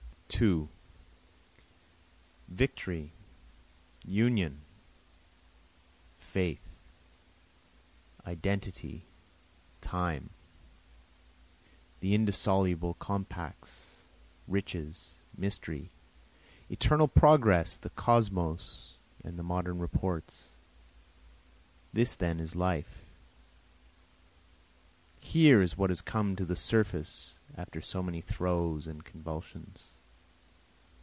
2 Victory, union, faith, identity, time, The indissoluble compacts, riches, mystery, Eternal progress, the kosmos, and the modern reports. This then is life, Here is what has come to the surface after so many throes and convulsions.